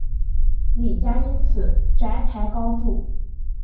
李家因此债台高筑。